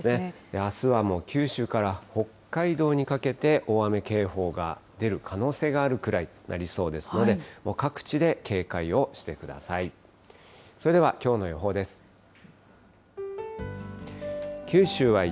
あすはもう九州から北海道にかけて、大雨警報が出る可能性があるくらいとなりそうですので、各地で警戒をしてください。